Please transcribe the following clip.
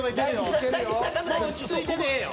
もう落ち着いてでええよ。